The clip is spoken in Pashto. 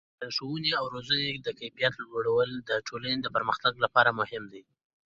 د ښوونې او روزنې د کیفیت لوړول د ټولنې د پرمختګ لپاره مهم دي.